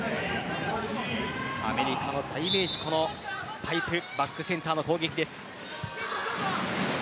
アメリカの代名詞パイプバックセンターの攻撃です。